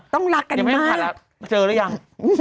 ต้องรักกันมาก